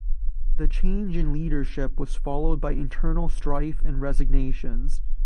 The change in leadership was followed by internal strife and resignations.